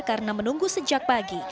karena menunggu sejak pagi